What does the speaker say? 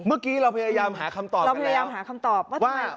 เมื่อกี้เราพยายามหาคำตอบเราพยายามหาคำตอบว่า